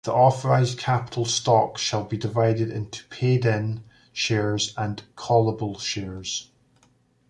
The authorized capital stock shall be divided into paid-in shares and callable shares.